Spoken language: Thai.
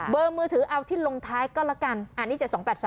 มือถือเอาที่ลงท้ายก็ละกันอันนี้๗๒๘๓